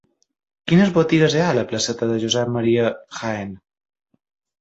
Quines botigues hi ha a la placeta de Josep Ma. Jaén?